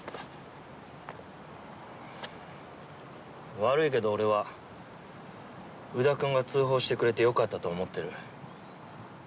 悪いけど俺は宇田くんが通報してくれてよかったと思ってる。